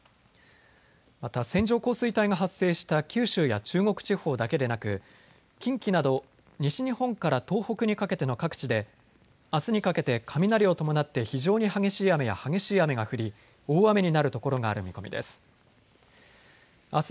また線状降水帯が発生した九州や中国地方だけでなく近畿など西日本から東北にかけての各地であすにかけて雷を伴って非常に激しい雨や激しい雨が降り大雨になるところがある見込みです。